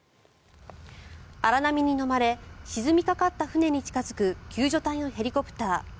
荒波にのまれ沈みかかった船に近付く救助隊のヘリコプター。